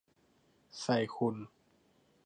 ใส่คุณ